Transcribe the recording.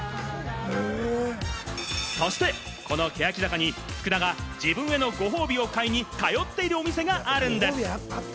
そしてこのけやき坂に、福田が自分へのご褒美を買いに通っているお店があるんです。